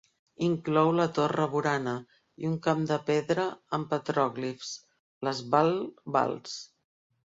Inclou la torre Burana i un camp de pedres amb petròglifs, les "bal-bals".